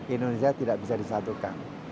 indonesia tidak bisa disatukan